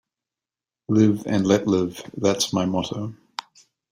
Live and let live, that's my motto.